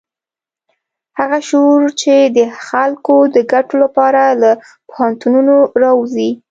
هغه شعور چې د خلکو د ګټو لپاره له پوهنتونونو راوزي.